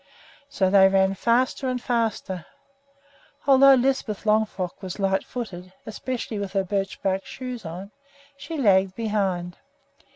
So they ran faster and faster. Although Lisbeth Longfrock was light footed, especially with her birch bark shoes on, she lagged behind.